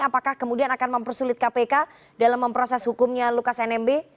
apakah kemudian akan mempersulit kpk dalam memproses hukumnya lukas nmb